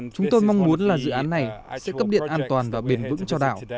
chúng tôi mong muốn là dự án này sẽ cấp điện an toàn và bền vững cho đảo